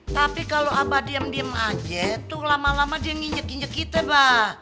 tapi kalau abah diem diem aja tuh lama lama dia nginjek injek kita pak